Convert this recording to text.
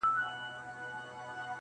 ورک له نورو ورک له ځانه؛